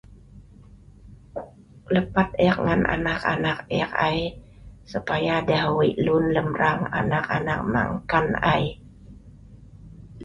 Lepat eek ngan anak anak eek ai, supaya deh wei' lun lem raang anak anak ma' enkan ai